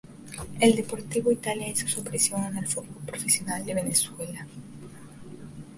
El Deportivo Italia hizo su aparición en el fútbol profesional de Venezuela.